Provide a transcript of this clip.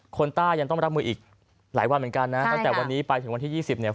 ต้ายังต้องรับมืออีกหลายวันเหมือนกันนะตั้งแต่วันนี้ไปถึงวันที่๒๐เนี่ย